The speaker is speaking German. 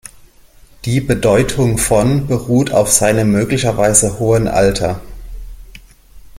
Die Bedeutung von beruht auf seinem möglicherweise hohen Alter.